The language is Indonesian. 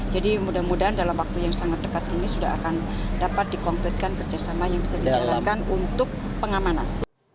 jadi mudah mudahan dalam waktu yang sangat dekat ini sudah akan dapat dikompletikan kerjasama yang bisa dijalankan untuk pengamanan